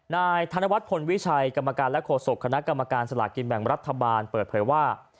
นายธนวัฒนพลวิชัยกรรมการและโฆษกคณะกรรมการสลากินแบ่งรัฐบาลเปิดเผยว่า